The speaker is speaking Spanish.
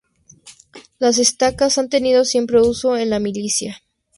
Las estacas han tenido siempre uso en la milicia.